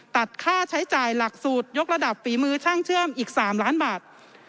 ตัดค่าใช้จ่ายหลักสูตรยกระดับฝีมือช่างเชื่อมอีก๓ล้านบาท